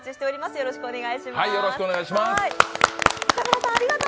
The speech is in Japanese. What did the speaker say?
よろしくお願いします。